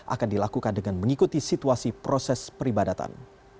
akan dilakukan dengan mengikuti situasi proses peribadatan